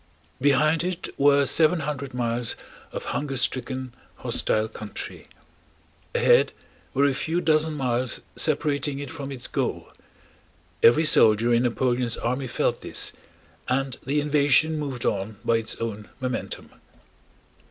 Behind it were seven hundred miles of hunger stricken, hostile country; ahead were a few dozen miles separating it from its goal. Every soldier in Napoleon's army felt this and the invasion moved on by its own momentum.